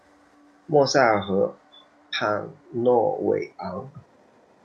莫塞尔河畔诺韦昂。